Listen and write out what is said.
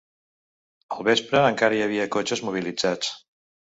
Al vespre, encara hi havia cotxes mobilitzats.